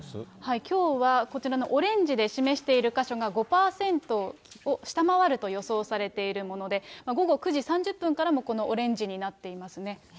きょうは、こちらのオレンジで示している箇所が５％を下回ると予想されているもので、午後９時３０分から、このオレンジになっていますね。